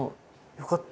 よかった。